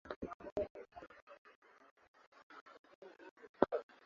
kilimo cha viazi